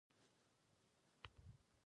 هغه هره ورځ د خالي بکسونو په مینځ کې ګرځیده